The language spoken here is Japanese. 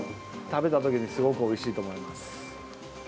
食べたときにすごくおいしいと思います。